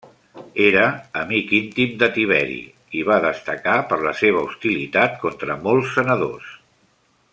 Era amic íntim de Tiberi i va destacar per la seva hostilitat contra molts senadors.